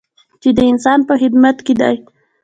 چې د انسان په خدمت کې دی.